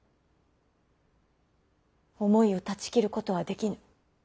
思いを断ち切ることはできぬ。